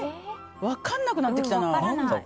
分からなくなってきたな。